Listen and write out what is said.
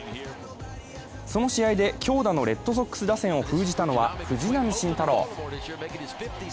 その試合で強打のレッドソックス打線を封じたのは藤浪晋太郎。